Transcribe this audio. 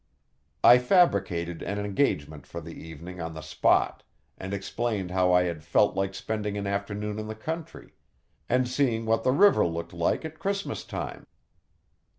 I fabricated an engagement for the evening on the spot, and explained how I had felt like spending an afternoon in the country, and seeing what the river looked like at Christmas time.